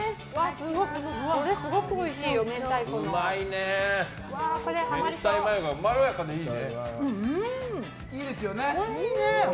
これ、すごくおいしいよ明太子の。